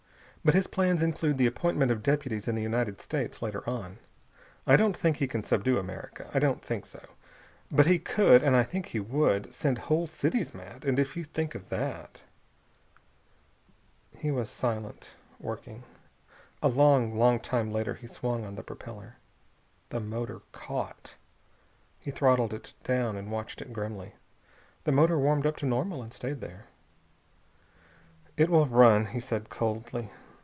But his plans include the appointment of deputies in the United States later on. I don't think he can subdue America. I don't think so. But he could and I think he would send whole cities mad. And if you think of that...." He was silent, working. A long, long time later he swung on the propeller. The motor caught. He throttled it down and watched it grimly. The motor warmed up to normal, and stayed there. "It will run," he said coldly.